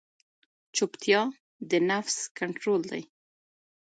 چپتیا، د نفس کنټرول دی.